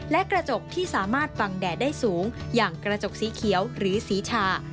และกระจกที่สามารถฟังแดดได้สูงอย่างกระจกสีเขียวหรือสีชา